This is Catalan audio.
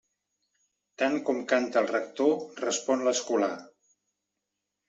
Tant com canta el rector, respon l'escolà.